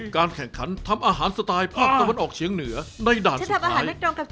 การแข่งขันทำอาหารสไตล์ภาพตัวมันออกเฉียงเหนือในด้านสุดท้าย